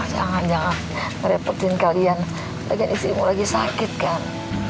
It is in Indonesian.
jangan jangan merepotin kalian lagi isimu lagi sakit kan